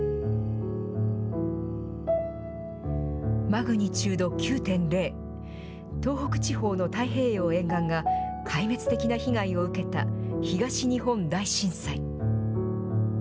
マグニチュード９．０、東北地方の太平洋沿岸が壊滅的な被害を受けた東日本大震災。